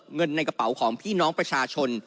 เงินในกระเป๋าของพี่น้องประชาชน